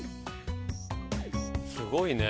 すごいね。